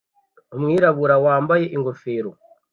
Umwirabura wambaye ingofero